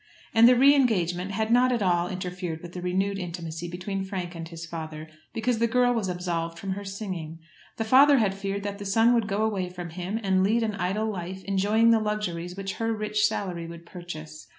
And the re engagement had not at all interfered with the renewed intimacy between Frank and his father, because the girl was absolved from her singing. The father had feared that the son would go away from him, and lead an idle life, enjoying the luxuries which her rich salary would purchase.